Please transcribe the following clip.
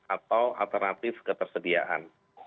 atau alternatif ketersediaan